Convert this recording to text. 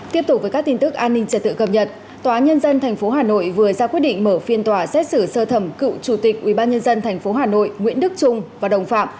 tiếp tục với các tin tức an ninh trật tự cập nhật tòa nhân dân tp hà nội vừa ra quyết định mở phiên tòa xét xử sơ thẩm cựu chủ tịch ubnd tp hà nội nguyễn đức trung và đồng phạm